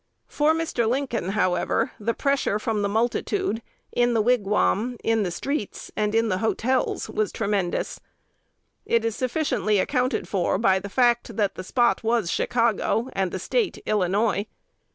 For Mr. Lincoln, however, the "pressure" from the multitude, in the Wigwam, in the streets, and in the hotels, was tremendous. It is sufficiently accounted for by the fact that the "spot" was Chicago, and the State Illinois.